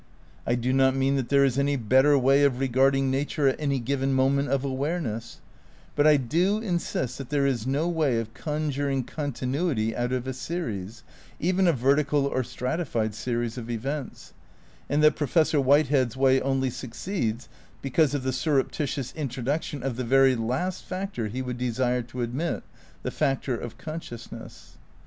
I do not mean that there is any better way of regarding nature at any given moment of awareness, but I do in sist that there is no way of conjuring continuity out of a series, even a vertical or stratified series, of events, and that Professor Whitehead's way only succeeds be cause of the surreptitious introduction of the very last factor he would desire to admit — the factor of con sciousness.